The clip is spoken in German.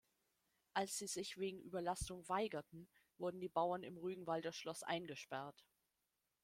Als sie sich wegen Überlastung weigerten, wurden die Bauern im Rügenwalder Schloss eingesperrt.